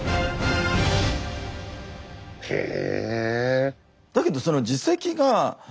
へえ。